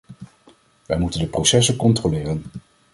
Wij moeten de processen controleren.